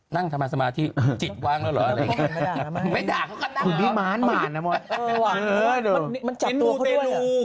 นั่งทำมาสมาธิจิตว่างแล้วเหรออะไรอย่างนี้